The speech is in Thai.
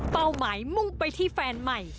เป้าหมายมุ่งไปที่แฟนใหม่